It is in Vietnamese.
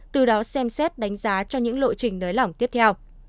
từ đó xem xét đánh giá cho những lộ trình nới lỏng tiếp theo